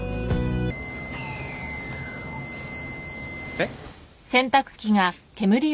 えっ？